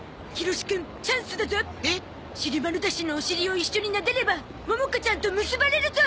シリマルダシのお尻を一緒になでればモモ子ちゃんと結ばれるゾ！